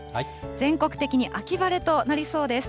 全国的に秋晴れとなりそうです。